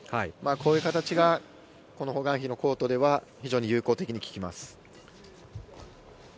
こういう形がホ・グァンヒのコートでは非常に有効的に効きます。